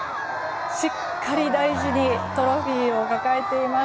しっかり大事にトロフィーを抱えています。